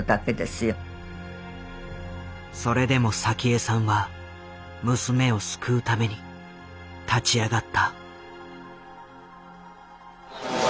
それでも早紀江さんは娘を救うために立ち上がった。